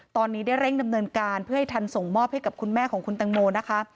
ตอนนี้ได้เร่งดำเนินการเพื่อให้ทันส่งมอบให้กับคุณแม่ของคุณตังโมนะคะ